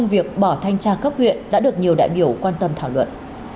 ông việc bỏ thanh tra cấp huyện đã được nhiều đại biểu quan tâm thảo luật